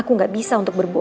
aku gak bisa untuk berbuat